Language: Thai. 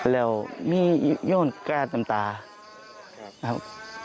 แล้วมีโยนแก๊สน้ำตาครับ